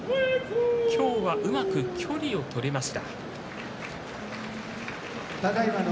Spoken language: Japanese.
今日はうまく距離を取りました。